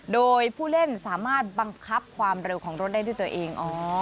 โดยผู้เล่นสามารถบังคับความเร็วของรถได้ด้วยตัวเอง